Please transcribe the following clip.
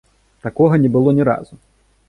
Такога не было ні разу!